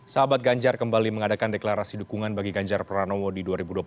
sahabat ganjar kembali mengadakan deklarasi dukungan bagi ganjar pranowo di dua ribu dua puluh empat